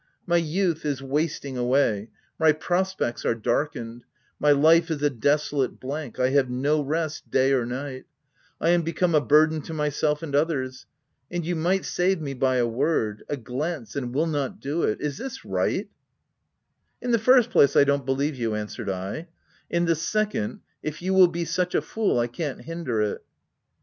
My youth is wasting away ; my prospects are darkened ; my life is a desolate blank; I have no rest day or night : I am become a burden to myself and others ;— and you might save me by a word — a glance, and will not do it — Is this right r> " In the first place, I don't believe you, v an swered I :" in the second, if you will be such a fool, I can't hinder it."